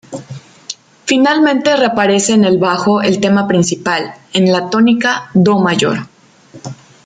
Finalmente reaparece en el bajo el tema principal, en la tónica "do" mayor.